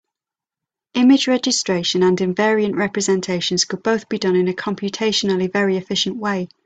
Image registration and invariant representations could both be done in a computationally very efficient way.